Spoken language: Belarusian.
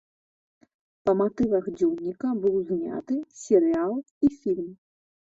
Па матывах дзённіка быў зняты серыял і фільм.